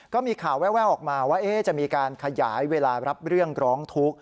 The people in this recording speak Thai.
ก็มีข่าวแววออกมาว่าจะมีการขยายเวลารับเรื่องร้องทุกข์